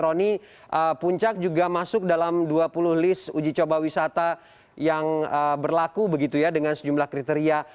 roni puncak juga masuk dalam dua puluh list uji coba wisata yang berlaku begitu ya dengan sejumlah kriteria